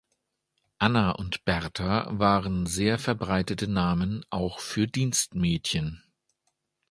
Anna und Bertha waren sehr verbreitete Namen auch für Dienstmädchen.